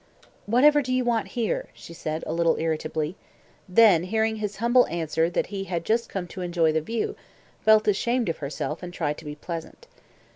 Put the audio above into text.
"Whatever do you want here?" she said a little irritably; then, hearing his humble answer that he had just come to enjoy the view, felt ashamed of herself, and tried to be pleasant.